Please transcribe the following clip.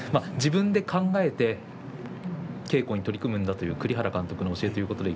自分で考えて稽古に取り組むんだという栗原監督の指導